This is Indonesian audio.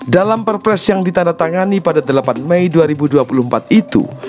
dalam perpres yang ditandatangani pada delapan mei dua ribu dua puluh empat itu